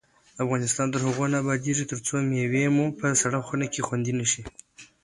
افغانستان تر هغو نه ابادیږي، ترڅو مېوې مو په سړه خونه کې خوندي نشي.